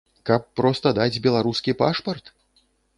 Каб проста даць беларускі пашпарт?